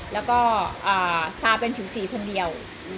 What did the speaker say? แล้วก็ซาเป็นผิวสีคนเดียว